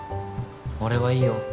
俺はいいよ